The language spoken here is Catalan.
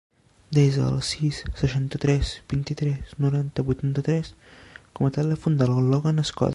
Desa el sis, seixanta-tres, vint-i-tres, noranta, vuitanta-tres com a telèfon del Logan Escoda.